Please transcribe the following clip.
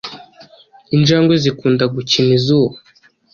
Injangwe zikunda gukina izuba.